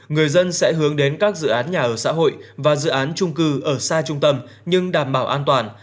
người dân sẽ hướng đến các dự án nhà ở xã hội và dự án trung cư ở xa trung tâm nhưng đảm bảo an toàn